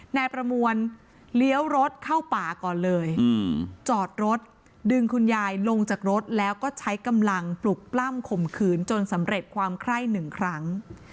นายประมวลเลี้ยวรถเข้าป่าก่อนเลยจอดรถดึงคุณยายลงจากรถแล้วก็ใช้กำลังปลุกปล้ำข่มขืนจนสำเร็จความไคร้หนึ่งครั้ง